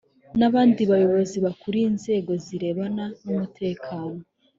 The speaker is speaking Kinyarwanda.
n’abandi bayobozi bakuriye inzego zirebana n’umutekano